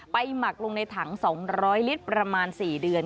หมักลงในถัง๒๐๐ลิตรประมาณ๔เดือน